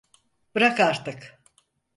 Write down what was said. Bırak artık!